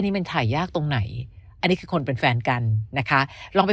นี่มันถ่ายยากตรงไหนอันนี้คือคนเป็นแฟนกันนะคะลองไป